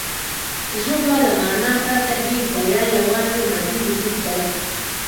ژبه له مانا پرته هېڅ ده یا یواځې مادي وجود دی